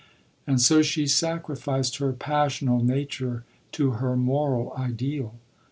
And so she sacrificed her "passional" nature to her moral ideal.